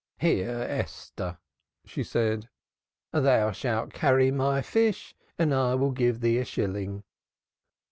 "Here, Esther," she said, "thou shalt carry my fish and I will give thee a shilling."